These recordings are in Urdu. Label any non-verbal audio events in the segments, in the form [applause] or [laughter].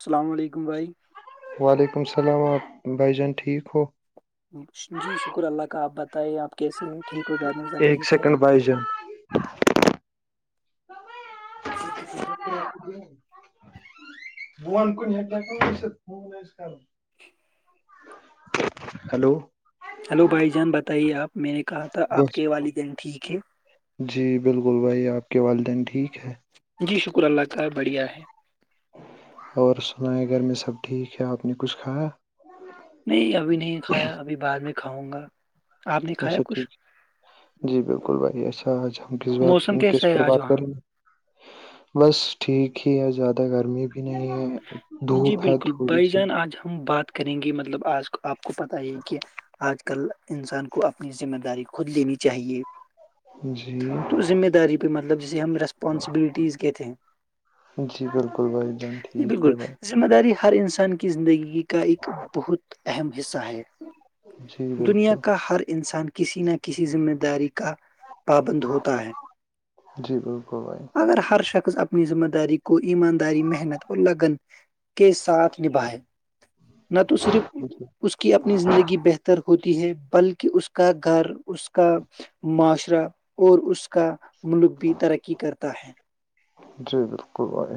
السلام علیکم بھائی وعلیکم السلام آپ بھائی جان ٹھیک ہو جی شکر اللہ کا آپ بتائیے آپ کیسے ہیں ٹھیک ہو گھر میں سب ایک ٹھیک ہے سیکنڈ بائی ج [inaudible] ب کو ہیلو ہلو بھائی جان بتائیے آپ میں نے کہا تھا آپ بس کے والدین ٹھیک ہے جی بالکل بھائی آپ کے والدین ٹھیک ہے جی شکر اللہ کا بڑھیا ہے اور سنایں گھر میں سب ٹھیک ہے آپ نے کچھ کھایا نہیں ابھی نہیں کھایا ابھی بعد میں کھاؤں گا آپ نے کھایا اچھا کچھ ٹھیک جی بالکل بھائی ایسا آج ہم کس بات موسم کس کیسا ہے پر آج بات وہاں کریں گے بس ٹھیک ہی ہے زیادہ گرمی بھی نہیں ہے جی دھوپ ہے بالکل تھوڑی بھائی سی جان آج ہم بات کریں گی مطلب آج آپ کو پت ہی کہ آج کل انسان کو اپنی ذمہ داری خود لینی چاہیے جی تو ذمہ داری کہ مطلب جسے ہم ریسپانسبلٹیز کے تھے جی بالکل بھائی جان ٹھیک جی بالکل ہے بھائی ذمہ داری ہر انسان کی زندگی کا ایک بہت اہم حصہ ہے جی دنیا بالکل کا ہر انسان کسی نہ کسی ذمہ داری کا پابند ہوتا ہے ڈ بو گبائی اگر ہر شخص اپنی ذمہ داری کو ایمانداری محنت اور لگن کے ساتھ نبھائے نہ تو صرف جی اس کی اپنی زندگی بہتر ہوتی ہے بلکہ اس کا گھر اس کا معاشرہ اور اس کا ملک بھی ترقی کرتا ہے جی بالکل بھائی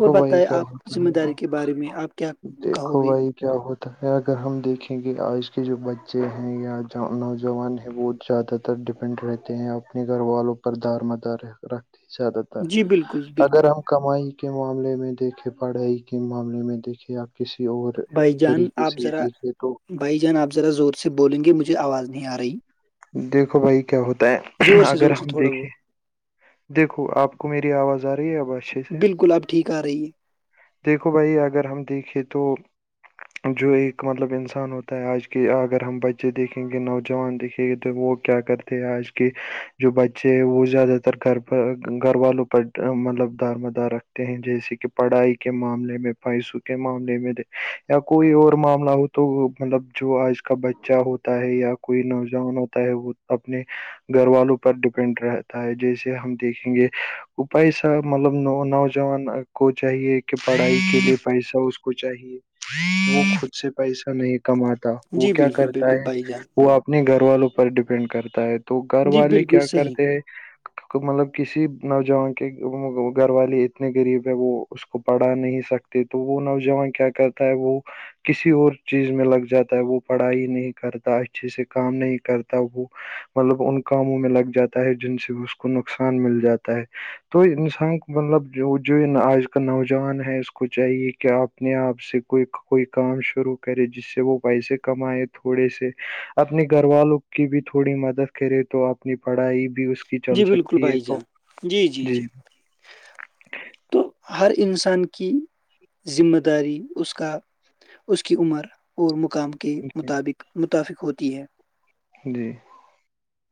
اور بھائی بتائے کیا آپ ہوتا ذمہ ہےا داری کے بارے میں آپ کیا کہو دیکھو گے بھائی کیا ہوتا ہے اگر ہم دیکھیں کہ آج کے جو بچے ہیں یا نوجوان حبود زیادت ڈیپینڈ رہتے ہیں اپنے گھر والوں پر دار مدار رکھتے ہیں زیادہ تر جی بالکل اگر بالکل ہم کمائی کے معاملے میں دیکھیں پڑھائی کے معاملے میں دیکھیں آپ کسی اور بھائی جان طریقے آپ سے ذرا دیکھے تو بھائی جان آپ ذرا زور سے بولیں گے مجھے آواز نہیں آ رہی دیکھو بھائی کیا ہوتا ہے زور سے اگر زور سے ہم تھوڑا بہت دیکھیں دیکھو آپ کو میری آواز آ رہی ہے اب اچ بالکل اب ٹھیک آ رہی ہے دیکھو بھائی اگر ہم دیکھیں تو جو ایک مطلب انسان ہوتا ہے آج کے اگر ہم بچے دیکھیں گے نوجوان دیکھیں گے وہ کیا کرتے ہیں آج کے جو بچے ہیں وہ زیادہ تر گھر گھر والوں پر مطلب دار مدار رکھتے ہیں جیسے کہ پڑھائی کے معاملے میں پیسوں کے معاملے میں یا کوئی اور معاملہ ہو تو مطلب جو آج کا بچہ ہوتا ہے یا کوئی نوجوان ہوتا وہ اپنے گھر والوں پر ڈیپینڈ رہتا ہے جیسے ہم دیکھیں گے اپائےسا مطلب نوجوان کو چاہیے پڑھائی کے لیے پیسہ اس کو چاہیے وہ خ سے پیسہ نہیں کماتا وہ جی کیا بالکل کرتا بالکل ہے بھائی جان وہ اپنے گھر والوں کو پر ڈیپینڈ کرتا ہے تو گھر جی والے بالکل کیا صحیح کرتے ہیں مطلب کسی نوجوان کے گھر والے اتنے غریب ہے وہ اس کو پڑھا نہیں سکتے تو وہ نوجوان کیا کرتا ہے وہ کسی اور چیز میں لگ جاتا ہے وہ پڑھائی نہیں کرتا اچھے سے کام نہیں کرتا وہ مطلب ان کاموں میں لگ جاتا ہے جن سے اس کو نقصان مل جاتا ہے تو انسان مطلب جو آج کل نوجوان ہے اس کو چاہیے کہ آپ اپنے آپ سے کوئی کوئی کام شروع کرے جس سے وہ پیسے کمائے تھوڑے سے اپنے گھر والوں کی بھی تھوڑی مدد کرے تو آپ اپنی پڑھائی بھی اس کی چل جی بالکل سکتی ہے بھائی تو جان جی تو ہر انسان کی ذمہ داری اس کا اس کی عمر اور مقام کے جی مطابق متفق ہوتی ہے جی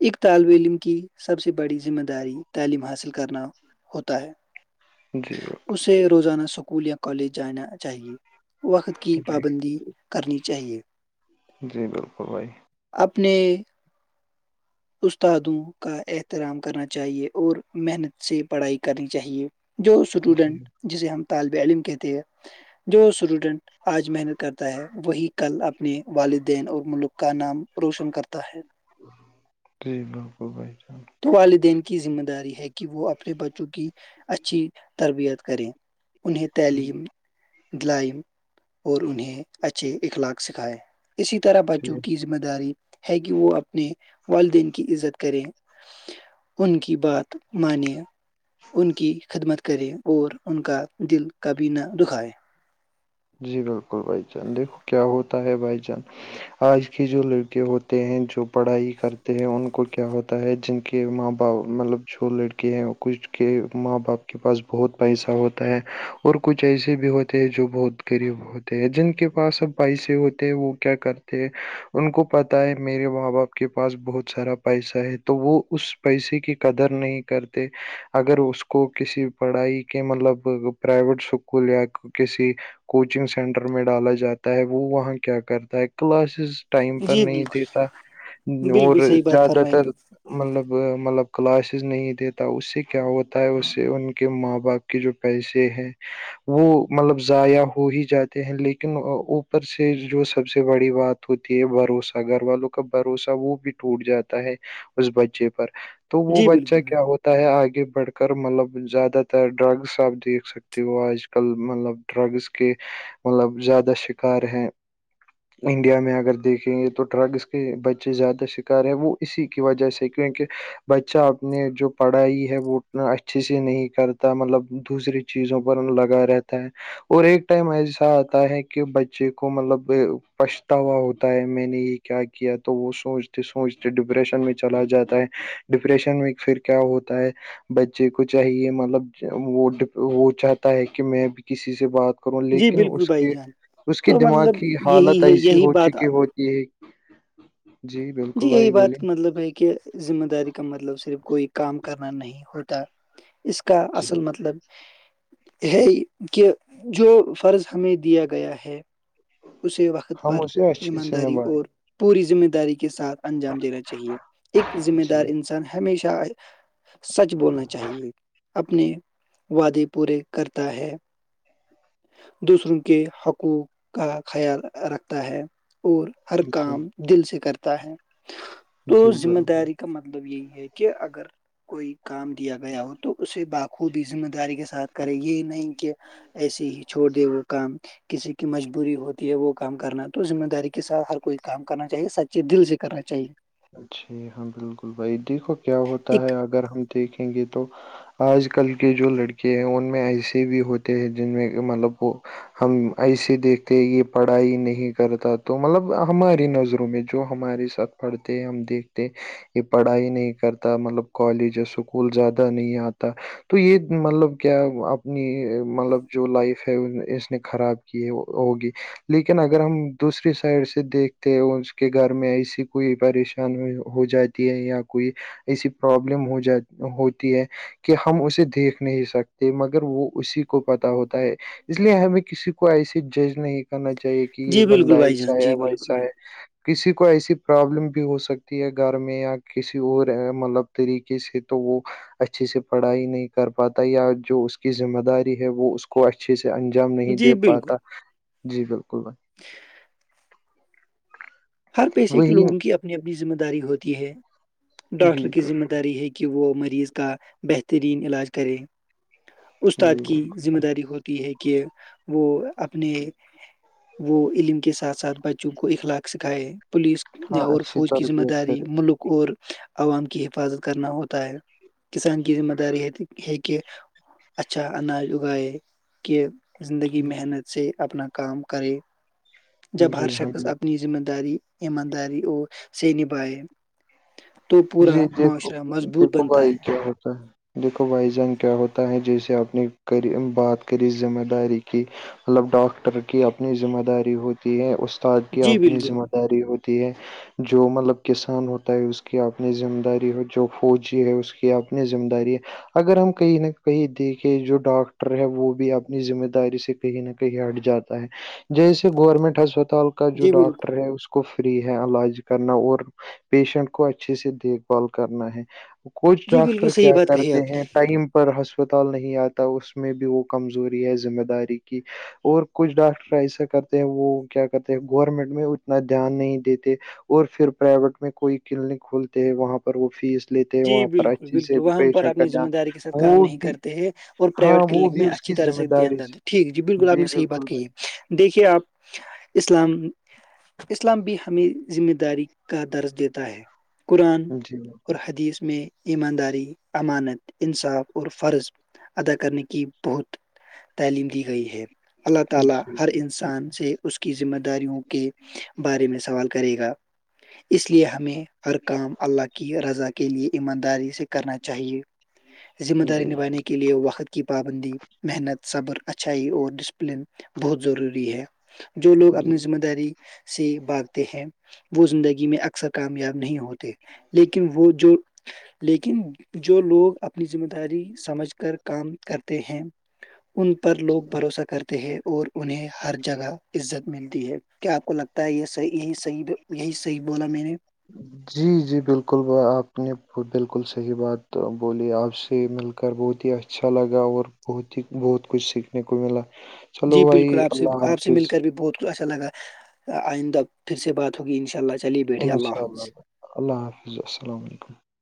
ایک طالب علم کی سب سے بڑی ذمہ داری تعلیم حاصل کرنا ہوتا ہے جی بالکل اسے روزانہ اسکول یا کالج جانا چاہیے وقت کی جی پابندی کرنی چاہیے جی بالکل بھائی اپنے استادوں کا احترام کرنا چاہیے اور محنت سے پڑھائی کرنی چاہیے جو جی اسٹوڈنٹ جسے ہم طالب علم کہتے ہیں جو اسٹوڈنٹ آج محنت کرتا ہے وہی کل اپنے والدین اور ملک کا نام روشن کرتا ہے جی بالکل بھائی چان تو والدین کی ذمہ داری ہے کہ وہ اپنے بچوں کی اچھی تربیت کرے انہیں جی تعلیم دلائم اور انہیں اچھے اخلاق سکھائےیں اسی طرح بچوں جی کی ذمہ داری ہے کہ وہ اپنے والدین کی عزت کرے ان کی بات مانیں ان کی خدمت کرے اور ان کا دل کبھی نہ دکھائے جی بالکل بھائی جان دیکھو کیا ہوتا ہے بھائی جان آج کی جو لڑکے ہوتے ہیں جو پڑھائی کرتے ہیں ان کو کیا ہوتا ہے جن کے ماں باپ مطلب جو لڑکے ہیں کچھ کے ماں باپ کے پاس بہت پیسہ ہوتا ہے اور کچھ ایسے بھی ہوتے ہیں جو بہت غریب ہوتے ہیں جن کے پاس سب پیسے ہوتے وہ کیا کرتے ان کو پتا ہے میرے ماں باپ کے پاس بہت سارا پیسہ ہے تو وہ اس پیسے کی قدر نہیں کرتے اگر اس کو کسی پڑھائی کے مطلب پرائیویٹ اسکول یا کسی کوچنگ سینٹر میں ڈالا جاتا ہے وہ وہاں کیا کرتا ہے کلاسز ٹائم پر جی نہیں بالکل دیتا بالکل اور صحیح بات زیادہ فرمائی تر مطلب مطلب کلاسز نہیں دیتا اس سے کیا ہوتا ہے اس سے ان کے ماں باپ جو پیسے ہیں وہ مطلب ضائع ہو ہی جاتے ہیں لیکن اوپر سے جو سب سے بڑی بات ہوتی ہے بھروسہ گھر والوں بھروسہ وہ بھی ٹوٹ جاتا ہے اس بچے پر تو وہ جی بچہ بالکل کیا بالکل ہوتا تا ہے آگے بڑھ کر مطلب زیادہ تر ڈرگس آپ دیکھ سک تی وہ آج کل مطلب ڈرگس کے مطلب زیادہ شکار ہیں انڈیا میں اگر دیکھیں گے تو ڈرگس کے بچے زیادہ شکار ہیں وہ اسی کی وجہ سے کیونکہ بچہ اپنے جو پڑھائی ہے وہ اچھے سے نہیں کرتا مطلب دوسری چیزوں پر لگا رہتا ہے اور ایک ٹائم ایسا آتا ہے کہ بچے کو مطلب پچھتا ہوا ہوتا ہے میں نے یہ کیا کیا تو وہ سوچتے سوچتے ڈپریشن میں چلا جاتا ہے ڈپریشن میں پھر کیا ہوتا ہے بچے کو چاہیے مطلب وہ وہ چاہتا ہے کہ میں بھی کسی سے بات و جی لیکن بالکل اس بھائی کے جان اس کی تو دماغ مطلب کی یہی حالت ہے ایسی یہی ہو بات چکی ہو یہ جی یہی بات مطلب ہے کہ ذمہ داری کا مطلب صرف کوئی کام کرنا نہیں ہوتا اس کا جی اصل مطلب ہے کہ جو فرض ہمیں دیا گیا ہے اسے وقت ہم پر اسے اچھے سے ایمانداری اور نبھائیں پوری ذمہ داری کے ساتھ انجام دینا چاہیے ایک ذمہ جی دار انسان ہمیشہ سچ بولنا چاہیے اپنے وعدے پورے کرتا ہے دوسروں کے حقوق کا خیال رکھتا ہے اور ہر جی کام دل سے کرتا ہے تو جی ذمہ داری بالکل مطلب یہی ہے کہ اگر کوئی کام دیا گیا ہو تو اسے باپ خوود ہی ذمہ داری کے ساتھ کرے یہ نہیں کہ ایسے ہی چھوڑ دے وہ کام کسی کی مجبوری ہوتی ہے وہ کام کرنا تو ذمہ داری کے ساتھ ہر کوئی کام کرنا چاہیے سچے دل سے کرنا چاہیے [unintelligible] جی ہاں بالکل بھائی دیکھو کیا ہوتا ایک ہے اگر ہم دیکھیں گے تو آج کل کے جو لڑکے ہیں ان میں ایسے بھی ہوتے ہیں جن میں مطلب وہ ہم ایسے دیکھتے یہ پڑھائی نہیں کرتا تو مطلب ہماری نظروں میں جو ہمارے ساتھ پڑھتے ہیں ہم دیکھتے یہ پڑھائی نہیں کرتا مطلب کالج اسکول زیادہ نہیں آتا تو یہ مطلب کیا اپنی مطلب جو لائف ہے اس نے خراب ہوگی لیکن اگر ہم دوسری سائڈ سے دیکھتے اس کے گھر میں ایسی کوئی پریشان ہو جاتی ہے یا کوئی ایسی پرابلم ہو جات ہوتی ہے کہ ہم اسے دیکھ نہیں سکتے مگر وہ اسی کو پتا ہوتا ہے اس لیے ہمیں کسی کو ایسیے جج نہیں کرنا چاہیے کہ یہ جی بندہ بالکل بھائی ایسا جان ہے جی بالکل ایسا ہے کسی کو ایسی پرابلم بھی ہو سکتی ہے گھر میں یا کسی اور مطلب طریقے سے تو وہ اچھے سے پڑھائی نہیں کر پاتا یا جو اس کی ذمہ داری ہے وہ اس کو اچھے سے جام نہیں جی دے بالکل پاتا جی بالکل ب [unintelligible] ہر پیسے کے وہی لوگوں کی اپنی اپنی ذمہ داری ہوتی ہے ڈاکٹر جی کی ذمہ بالکل داری ہے وہ مریض کا بہترین علاج کریں استاد جی کی بالکل ذمہ بھائی داری ہوتی ہے کہ وہ اپنے وہ علم کے ساتھ ساتھ بچوں کو اخلاق سکھائے پولیس ہاں یا اور اچھی فوج کی ذمہ تربیت داری کرے ملک اور عوام کی حفاظت کرنا ہوتا ہے کسان کی ذمہ داری ہے ہے کہ اچھا اناج اگائے کہ زندگی جی محنت سے اپنا کام کرے جب ہر جی ہاں شخص اپنی ذمہ داری ایمانداری اور سے نبھائے تو پورا جی دیکھو معاشرہ مضبوط دیکھو بنتا بھائی کیا ہے ہوتا ہے دیکھو بھائی جان کیا ہوتا ہے جیسے آپ نے بات کری ذمہ داری کی مطلب ڈاکٹر کی اپنی ذمہ داری ہوتی استاد کی جی اپنی بالکل ذمہ داری ہوتی ہے جو مطلب کسان ہوتا ہے اس کی اپنی ذمہ داری ہو جو فوجی ہے اس کی اپنی ذمہ داری ہے اگر ہم کہیں نہ کہیں دیکھے جو ڈاکٹر ہے وہ بھی اپنی ذمہ داری سے کہیں نہ کہیں ہٹ جاتا ہے جیسے گورنمنٹ ہسپتال کو کا جو جی بالکل ڈاکٹر ہے اس کو فری ہے علاج کرنا اور پیشنٹ کو اچھے سے دیکھ بھال کرنا ہے کچھ جی بالکل ڈاکٹر صحیح کیا بات کہی کرتے آپ ہیں نے ٹائم پر ہسپتال نہیں آتا اس میں بھی وہ کمزوری ہے ذمہ داری کی اور کچھ ڈاکٹر ایسا کرتے ہیں وہ کیا کرتے ہیں گورنمنٹ میں اتنا دھیان نہیں دیتے اور پھر پرائیویٹ میں کوئی کلینک کھولتے ہیں وہاں پر وہ فیس لیتے ہیں جی وہاں پر بالکل اچھی بالکل سے وہاں پر پیشنٹ کا اپنی ذمہ دھیان داری کے ساتھ کام وہ نہیں بھی کرتے ہیں اور ہاں پرائیویٹ وہ کلینک بھی میں اس اچھی کی طرح سے ذمہ دھیان داری د دے ٹھیک جی بالکل آپ نے صح بات کہی ہے دیکھیے آپ اسلام اسلام بھی ہمیں ذمہ داری کا درج دیتا ہے قرآن جی اور بالکل حد یس میں ایمانداری امانت انصاف اور فرض ادا کرنے کی بہت تعلیم دی گئی ہے اللہ تعالی جی ہر انسان سے اس کی ذمہ داریوں کے بارے میں سوال کرے گا اس لیے ہمیں ہر کام اللہ کی رضا لیے ایمانداری سے کرنا چاہیے ذمہ داری جی نبھائی کے لیے وقت کی پابندی محنت صبر اچھائی اور ڈسپلن بہت ضروری ہے جو لوگ جی اپنی ذمہ داری سے بھاگتے ہیں وہ زندگی میں اکثر کامیاب نہیں ہوتے لیکن وہ جو لیکن جو لوگ اپ اپنی ذمہ داری سمجھ کر کام کرتے ہیں ان پر لوگ بھروسہ کرتے ہیں اور انہیں ہر جگہ عزت ملتی ہے کیا آپ کو لگتا ہے یہحیح یہی صحی یہی صحیح بولا میں نے [inaudible] جی جی بالکل آپ نے بالکل صحیح بات بولی آپ سے مل کر بہت ہی اچھا لگا اور بہت ہی بہت کچھ سیکھنے کو ملا جی چلو بالکل بھائی آپ سے اللہ آپ سے حافظ مل کر بھی بہت کچھ اچھا لگا آئندہ پھر سے بات ہوگی ان شاء اللہ چلیے بیٹھے انشاء حافظ اللہ اللہ حافظ السلام علیکم